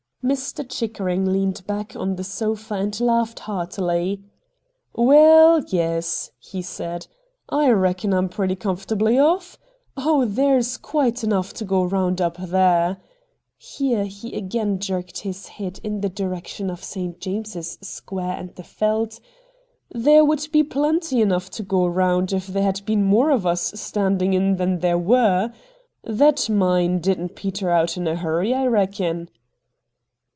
Mr. Chickering leaned back on the sofa and laughed heartily. ' Waal, yes,' he said ; 'I reckon I'm pretty comfortably off. Oh, there's quite enough to go round up there '— here he again jerked bis head in the direction of St. James's Square and the Yeldt —^ there would be plenty enough to go round if there had been more of us standing in than there were. That mine didn't peter out in a hurry, I reckon.'